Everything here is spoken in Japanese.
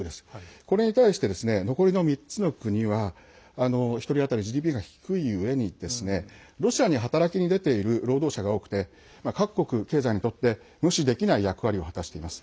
これに対して、残りの３つの国は１人当たりＧＤＰが低いうえにロシアに働きに出ている労働者が多くて各国が経済にとって無視できない役割を果たしています。